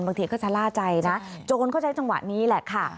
บางทีก็ชะล่าใจนะโจรก็ใช้จังหวะนี้แหละค่ะ